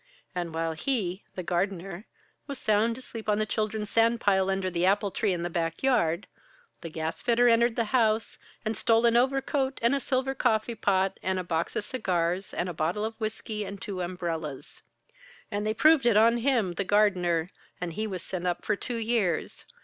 And while he (the gardener) was sound asleep on the children's sand pile under the apple tree in the back yard, the gas fitter entered the house and stole an overcoat and a silver coffee pot and a box of cigars and a bottle of whisky and two umbrellas. And they proved it on him (the gardener) and he was sent up for two years.